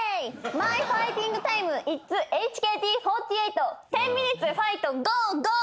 マイファイティングタイムイッツＨＫＴ４８テンミニッツファイトゴーゴー！